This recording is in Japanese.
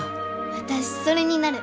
私それになる